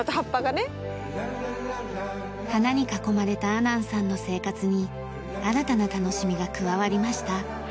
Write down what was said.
花に囲まれた阿南さんの生活に新たな楽しみが加わりました。